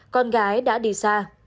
con gái đã đi xa